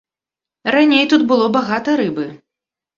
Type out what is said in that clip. Раней тут было багата рыбы.